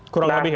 kurang lebih ya